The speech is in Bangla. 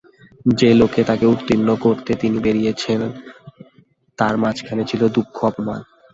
যে লোকে তাকে উত্তীর্ণ করতে তিনি বেরিয়েছিলেন, তার মাঝখানে ছিল দুঃখ-অপমান।